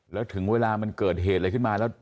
แล้วถึงเวลามันเกิดเหตุอะไรขึ้นมาแล้ว